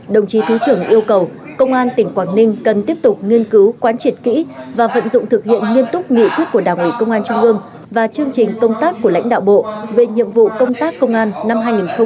đồng chí thứ trưởng yêu cầu công an tỉnh quảng ninh cần tiếp tục nghiên cứu quán triệt kỹ và vận dụng thực hiện nghiêm túc nghị quyết của đảng ủy công an trung ương và chương trình công tác của lãnh đạo bộ về nhiệm vụ công tác công an năm hai nghìn hai mươi ba